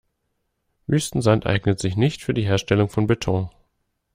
Wüstensand eignet sich nicht für die Herstellung für Beton.